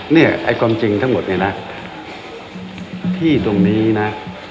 เนี่ยไอ้ความจริงทั้งหมดเนี่ยนะที่ตรงนี้นะ